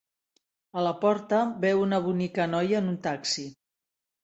A la porta, veu una bonica noia en un taxi.